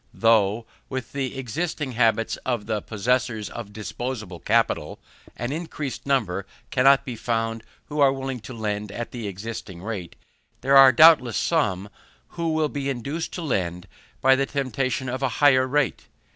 Though, with the existing habits of the possessors of disposable capital, an increased number cannot be found who are willing to lend at the existing rate, there are doubtless some who will be induced to lend by the temptation of a higher rate.